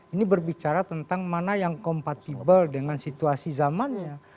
ini berbicara tentang mana yang kompatibel dengan situasi zamannya